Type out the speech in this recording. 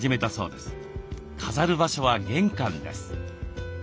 飾る場所は玄関です。